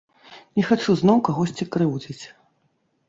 Не хачу зноў кагосьці крыўдзіць.